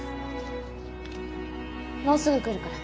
もうすぐ来るから。